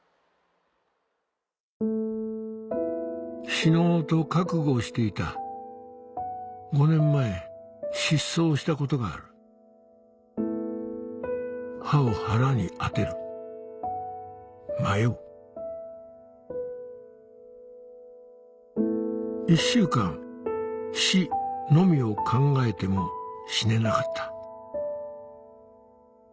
死のうと覚悟していた５年前失踪したことがある「刃を腹に当てる」「迷う」「一週間死のみを考えても死ねなかった」